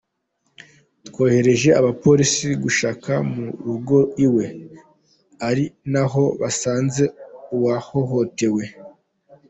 Twohereje abapolisi gushakisha mu rugo iwe, ari naho basanze uwahohotewe.